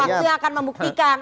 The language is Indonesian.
waktu yang akan membuktikan